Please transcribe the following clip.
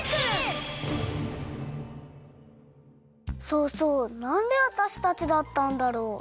そうそうなんでわたしたちだったんだろう？